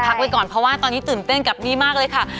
ไว้ก่อนเพราะว่าตอนนี้ตื่นเต้นกับนี่มากเลยค่ะ